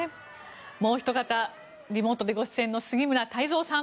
もうおひと方リモートでご出演の杉村太蔵さん。